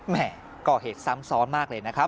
แม่ก่อเหตุซ้ำซ้อนมากเลยนะครับ